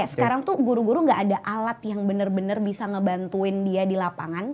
sekarang tuh guru guru gak ada alat yang benar benar bisa ngebantuin dia di lapangan